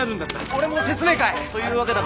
俺も説明会。というわけだから。